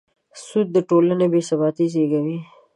سود د ټولنې بېثباتي زېږوي.